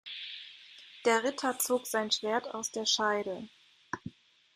Der Ritter zog sein Schwert aus der Scheide.